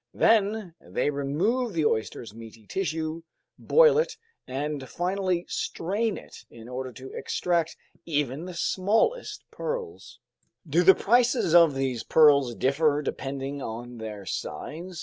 Then they remove the oyster's meaty tissue, boil it, and finally strain it, in order to extract even the smallest pearls." "Do the prices of these pearls differ depending on their size?"